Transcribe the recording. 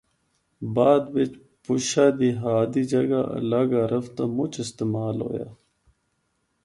بعد بچ پشہ دی ہ دی جگہ الگ حرف دا مُچ استعال ہویا۔